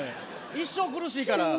一生苦しいから。